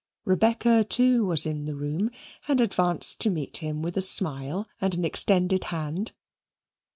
Rebecca, too, was in the room, and advanced to meet him with a smile and an extended hand.